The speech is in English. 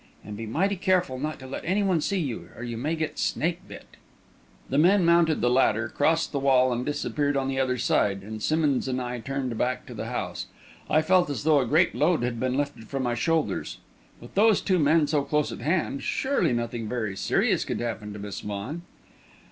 And be mighty careful not to let anyone see you, or you may get snake bit!" The men mounted the ladder, crossed the wall and disappeared on the other side, and Simmonds and I turned back to the house. I felt as though a great load had been lifted from my shoulders. With those two men so close at hand, surely nothing very serious could happen to Miss Vaughan!